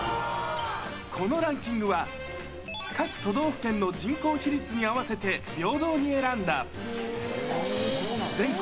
このランキングは、各都道府県の人口比率に合わせて平等に選んだ全国